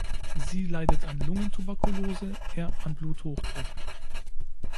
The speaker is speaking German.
Sie leidet an Lungentuberkulose, er an Bluthochdruck.